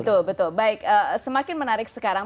betul betul baik semakin menarik sekarang